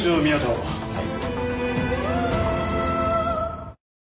はい。